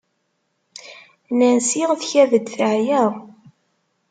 Nancy tkad-d teɛya.